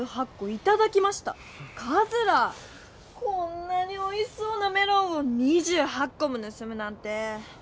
こんなにおいしそうなメロンを２８こもぬすむなんて。